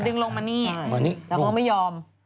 ดึงลงมานี่แล้วเขาก็ไม่ยอม